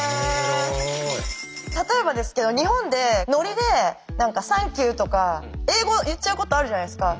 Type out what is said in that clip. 例えばですけど日本でノリで「サンキュー」とか英語言っちゃうことあるじゃないですか。